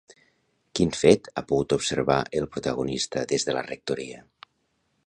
Quin fet ha pogut observar el protagonista des de la Rectoria?